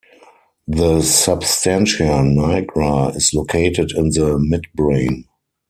The substantia nigra is located in the midbrain.